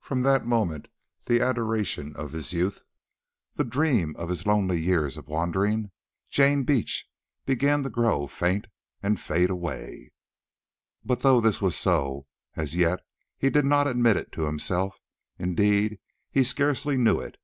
from that moment the adoration of his youth, the dream of his lonely years of wandering, Jane Beach, began to grow faint and fade away. But though this was so, as yet he did not admit it to himself; indeed, he scarcely knew it.